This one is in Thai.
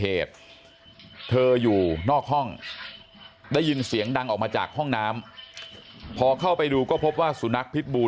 เหตุเธออยู่นอกห้องได้ยินเสียงดังออกมาจากห้องน้ำพอเข้าไปดูก็พบว่าสุนัขพิษบู